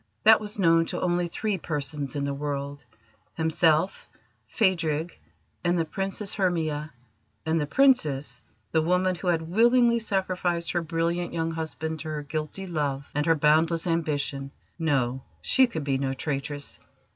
That was known to only three persons in the world himself, Phadrig, and the Princess Hermia; and the Princess, the woman who had willingly sacrificed her brilliant young husband to her guilty love and her boundless ambition no, she could be no traitress.